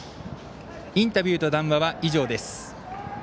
インタビューと談話は以上です。